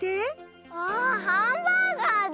わあハンバーガーだ。